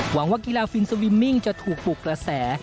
หวังว่ากีฬาฟินสวิมมิ่งจะถูกปลุกกระแส